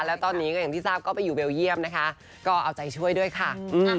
แล้วตอนนี้ก็อย่างที่ทราบก็ไปอยู่เบลเยี่ยมนะคะก็เอาใจช่วยด้วยค่ะ